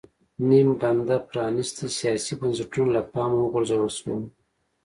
نیم بنده پرانېستي سیاسي بنسټونه له پامه وغورځول شول.